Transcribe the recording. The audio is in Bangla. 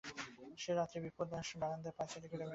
সে রাত্রে বিপ্রদাস বারান্দায় পায়চারি করে বেড়াচ্ছে।